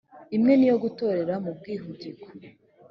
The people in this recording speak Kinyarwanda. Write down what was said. imwe n iyo gutorera mu bwihugiko